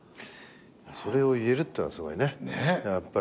それを言えるってのがすごいねやっぱり。